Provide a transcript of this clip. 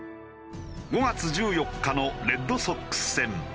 ５月１４日のレッドソックス戦。